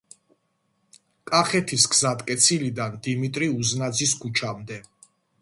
კახეთის გზატკეცილიდან დიმიტრი უზნაძის ქუჩამდე.